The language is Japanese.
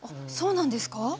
そうなんですか？